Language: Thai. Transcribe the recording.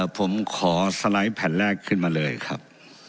ผมขอสไลด์แผ่นแรกขึ้นมาเลยครับ